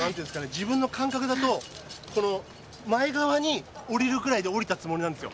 自分の感覚だとこの前側に下りるぐらいで下りたつもりなんですよ